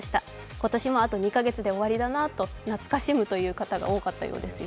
今年もあと２カ月で終わりだなと懐かしむ方が多かったということですよ。